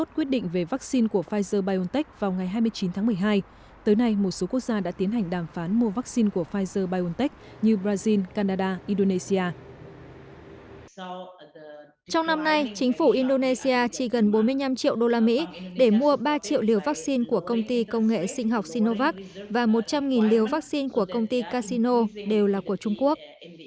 trong năm nay chính phủ indonesia chỉ gần bốn mươi năm triệu đô la mỹ để mua ba triệu liều vaccine của công ty công nghệ sinh học sinovac và một trăm linh liều vaccine của công ty casino đều là của trung quốc